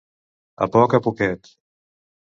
A poc a poquet.